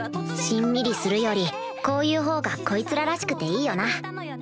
しんみりするよりこういうほうがこいつららしくていいよな